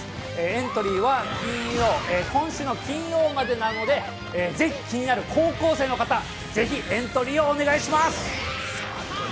エントリーは金曜、今週の金曜までなので、ぜひ気になる高校生の方、エントリーをお願いします。